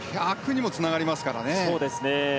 １００にもつながりますからね。